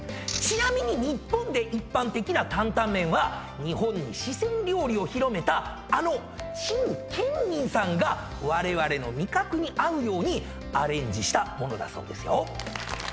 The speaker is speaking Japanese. ちなみに日本で一般的な担々麺は日本に四川料理を広めたあの陳建民さんがわれわれの味覚に合うようにアレンジした物だそうですよ。